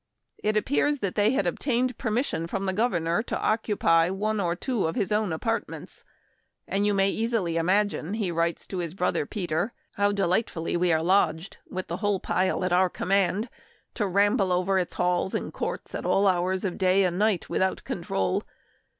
It appears that they had obtained permission from the Govern or to occupy one or two of his own apart ments ;" and you may easily imagine," he writes to his brother Peter, " how delightfully we are lodged, with the whole pile at our com mand, to ramble over its halls and courts at all hours of day and night without control.